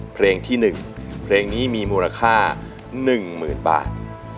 เพลงที่หนึ่งเพลงนี้มีมูลค่าหนึ่งหมื่นบาท